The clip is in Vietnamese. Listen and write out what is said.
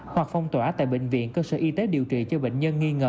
hoặc phong tỏa tại bệnh viện cơ sở y tế điều trị cho bệnh nhân nghi ngờ